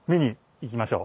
行きましょう。